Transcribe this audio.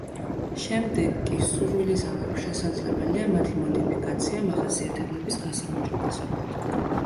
შემდეგ კი სურვილისამებრ შესაძლებელია მათი მოდიფიკაცია მახასიათებლების გასაუმჯობესებლად.